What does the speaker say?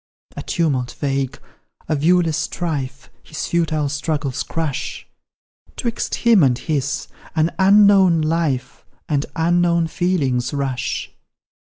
A tumult vague a viewless strife His futile struggles crush; 'Twixt him and his an unknown life And unknown feelings rush.